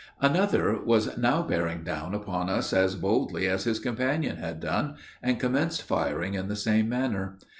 Another was now bearing down upon us as boldly as his companion had done, and commenced firing in the same manner.